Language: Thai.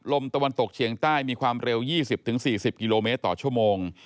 ตะวันตกเฉียงใต้มีความเร็ว๒๐๔๐กิโลเมตรต่อชั่วโมง